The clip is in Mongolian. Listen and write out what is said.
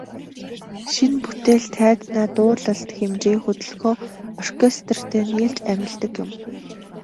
Шинэ бүтээл тайзнаа дуулалт, хэмжээ, хөдөлгөөн, оркестертэй нийлж амилдаг юм.